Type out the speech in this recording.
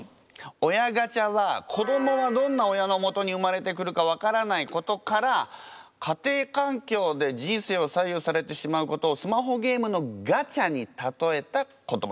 親ガチャは子どもはどんな親のもとに生まれてくるか分からないことから家庭環境で人生を左右されてしまうことをスマホゲームのガチャにたとえた言葉なんだって。